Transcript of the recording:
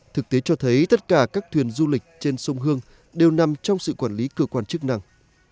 thực tế cho thấy tất cả các thuyền du lịch trên sông hương đều nằm trong sự quản lý cơ quan chức năng